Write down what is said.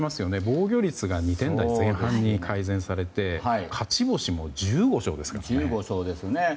防御率が２点台前半に改善されて勝ち星も１５勝ですからね。